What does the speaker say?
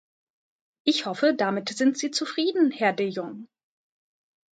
Ich hoffe, damit sind Sie zufrieden, Herr de Jong.